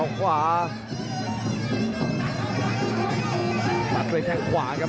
จะตัดกระแทนคาไว้